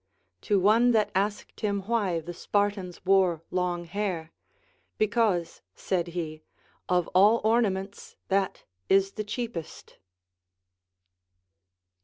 To one that asked him why the Spartans wore long hair, Because, said he, of all ornaments that is the cheapest.